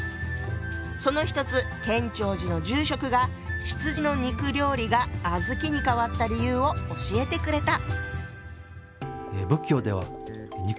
その一つ建長寺の住職が羊の肉料理が小豆に変わった理由を教えてくれた。